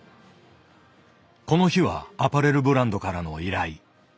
この日はアパレルブランドからの依頼。